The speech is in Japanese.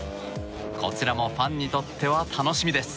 こちらもファンにとっては楽しみです。